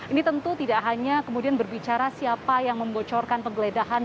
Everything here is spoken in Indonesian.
ini tentu tidak hanya kemudian berbicara siapa yang membocorkan penggeledahan